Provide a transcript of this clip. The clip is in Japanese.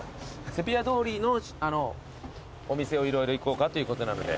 セピア通りのお店を色々行こうかということなので。